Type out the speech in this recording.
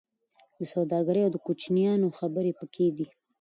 د سوداګرۍ او کوچیانو خبرې پکې دي.